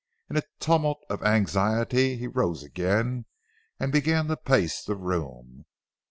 In a tumult of anxiety he rose again and began to pace the room.